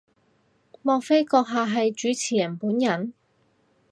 莫非閣下係主持人本人？